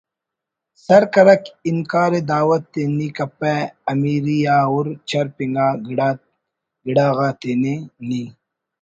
سر کرک انکار دعوت ءِ نی کپہ امیری آ ہر چرپ انگا گڑاغا تینے نی